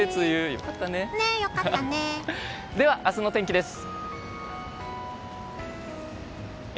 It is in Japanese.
では、明日の天気です。